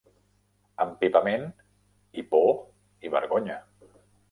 Empipament, i por, i vergonya.